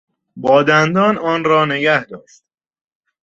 با دندان آن را نگهداشت.